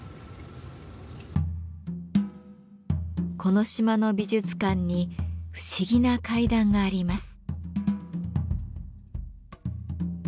この島の美術館に不思議な階段があります。